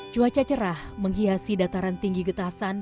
cuaca cerah menghiasi dataran tinggi getasan